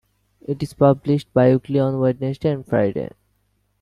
It is published bi-weekly on Wednesday and Friday.